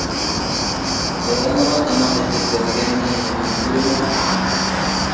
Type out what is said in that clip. ئايالىغا تاماق ئېتىپ بەرگەننى يامان كۆرىمەن.